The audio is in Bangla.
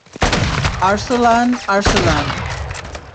আর্সলান, আর্সলান!